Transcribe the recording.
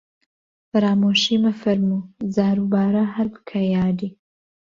فەرامۆشی مەفەرموو، جاروبارە هەر بکە یادی